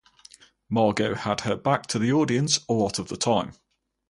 Margo had her back to the audience a lot of the time.